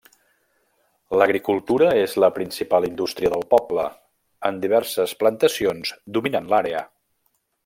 L'agricultura és la principal indústria del poble, amb diverses plantacions dominant l'àrea.